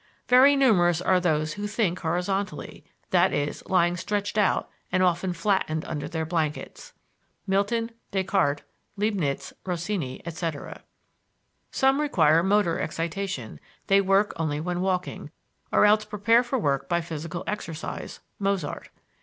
Very numerous are those who think "horizontally" that is, lying stretched out and often flattened under their blankets (Milton, Descartes, Leibniz, Rossini, etc.) Some require motor excitation; they work only when walking, or else prepare for work by physical exercise (Mozart).